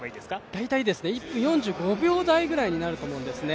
大体、１分４５秒台ぐらいになると思うんですね。